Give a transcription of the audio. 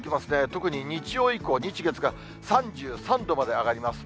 特に日曜以降、日、月が３３度まで上がります。